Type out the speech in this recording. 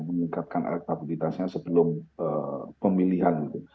mengingatkan elektabilitasnya sebelum pemilihan